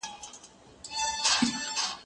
زه مېوې وچولي دي!.